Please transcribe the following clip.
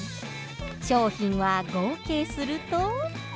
商品は合計すると。